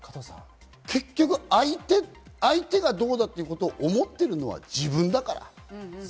結局、相手がどうだっていうことを思ってるのは自分だから。